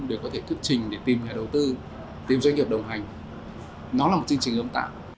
để có thể thức trình để tìm nhà đầu tư tìm doanh nghiệp đồng hành